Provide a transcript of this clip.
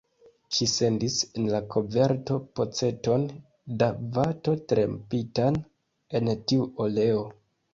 Ŝi sendis en la koverto peceton da vato trempitan en tiu oleo.